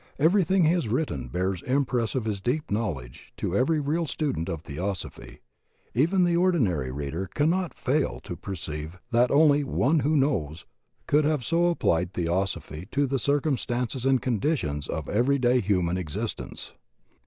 Everything he has written bears impress of his deep knowledge to every real student of Theos ophy. Even the ordinary reader cannot fail to perceive that only "One Who Knows" could have so applied Theosophy to the circimistances and conditions of every day himian existence.